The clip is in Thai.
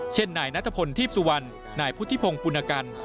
เช่นนายณฑพทิพศุวรรณผุทิพงฯปุณกัล